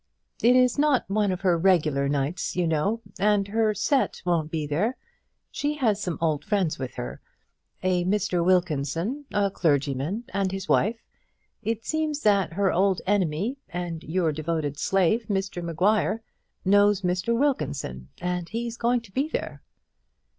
It is not one of her regular nights, you know, and her set won't be there. She has some old friends with her, a Mr Wilkinson, a clergyman, and his wife. It seems that her old enemy and your devoted slave, Mr Maguire, knows Mr Wilkinson, and he's going to be there."